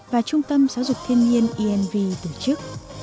và trung tâm giáo dục thiên nhiên inv tổ chức